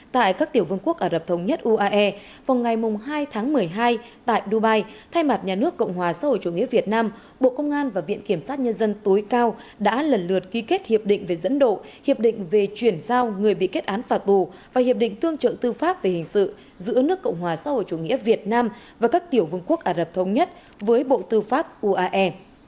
tại các tiểu vương quốc ả rập thống nhất uae vòng ngày hai tháng một mươi hai tại dubai thay mặt nhà nước cộng hòa xã hội chủ nghĩa việt nam bộ công an và viện kiểm soát nhân dân tối cao đã lần lượt ký kết hiệp định về dẫn độ hiệp định về chuyển giao người bị kết án phà tù và hiệp định tương trợ tư pháp về hình sự giữa nước cộng hòa xã hội chủ nghĩa việt nam và các tiểu vương quốc ả rập thống nhất với bộ tư pháp uae